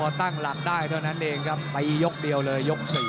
พอตั้งหลักได้เท่านั้นเองครับตียกเดียวเลยยก๔